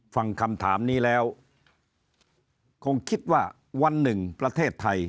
ฟังคำถามนี้แล้วคงคิดว่าวันหนึ่งประเทศไทย